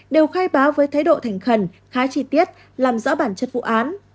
đều khai báo với thái độ thành khẩn khá chi tiết làm rõ bản chất vụ án